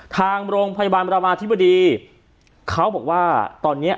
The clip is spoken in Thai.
ทางโรงพยาบาลประมาธิบดีเขาบอกว่าตอนเนี้ย